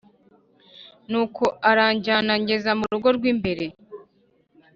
Nuko aranjyana angeza mu rugo rw imbere